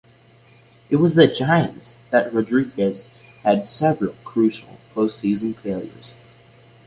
It was with the Giants that Rodriguez had several crucial postseason failures.